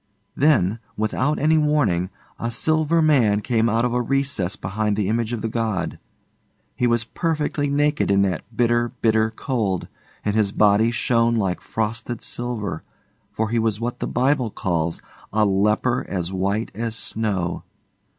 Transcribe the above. Then, without any warning, a Silver Man came out of a recess behind the image of the god. He was perfectly naked in that bitter, bitter cold, and his body shone like frosted silver, for he was what the Bible calls 'a leper as white as snow.